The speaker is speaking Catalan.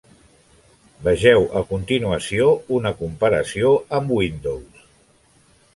Vegeu a continuació una comparació amb Windows.